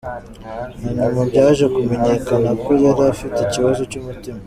Na nyuma byaje kumenyekana ko yari afite ikibazo cy’umutima.